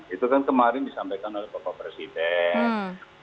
itu kan kemarin disampaikan oleh bapak presiden